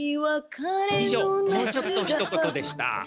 以上「もうちょっとひと言！」でした。